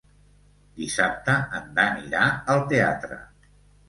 Dissabte en Dan irà al teatre.